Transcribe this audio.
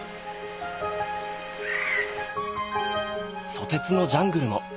ソテツのジャングルも。